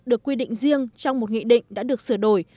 được quy định riêng trong một nghị định đã được sửa đổi